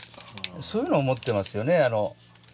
そういうのを持ってますよね。